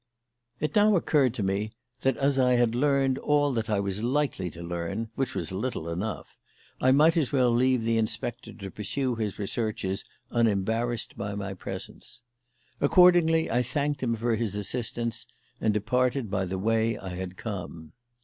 It now occurred to me that as I had learned all that I was likely to learn, which was little enough, I might as well leave the inspector to pursue his researches unembarrassed by my presence. Accordingly I thanked him for his assistance and departed by the way I had come.